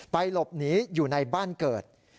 หลบหนีอยู่ในบ้านเกิด